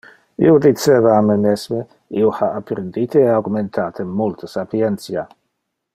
Io diceva a me mesme: io ha apprendite e augmentate multe sapientia.